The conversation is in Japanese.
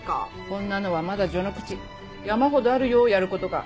こんなのはまだ序の口山ほどあるよやることが。